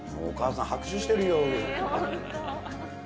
お母さん拍手してるよ。